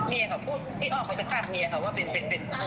พี่พี่อ้อคเขาจะฝากเมียเขาว่าเป็นโตเช็บนะครับ